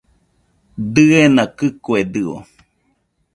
Diena kɨkuedɨo